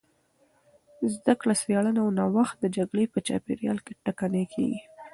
زدهکړه، څېړنه او نوښت د جګړې په چاپېریال کې ټکنۍ کېږي.